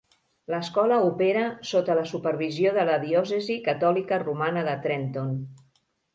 L'escola opera sota la supervisió de la Diòcesi catòlica romana de Trenton.